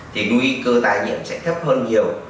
thì nguy cơ tai nhiễm sẽ thấp hơn nhiều